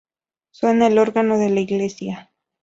Suena el órgano de la iglesia.